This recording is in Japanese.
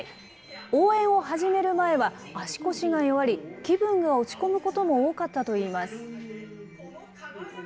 応援を始める前は足腰が弱り、気分が落ち込むことも多かったといいます。